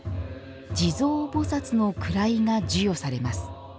地蔵菩薩の位が授与されます。